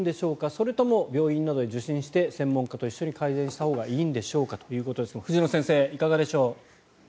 それとも病院などで受診して専門家と一緒に改善したほうがいいんでしょうかということですが藤野先生、いかがでしょう。